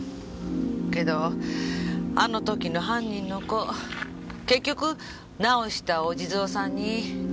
けどあの時の犯人の子結局直したお地蔵さんに手合わしに来いひんで。